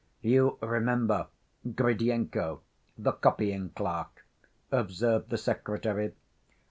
"You remember Gridyenko, the copying‐clerk," observed the secretary.